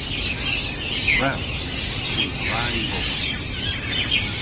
Gwrewgh! Hwi a wra y wolghi.